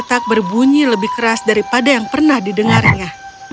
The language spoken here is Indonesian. suara anjing berbunyi lebih keras daripada yang pernah didengarnya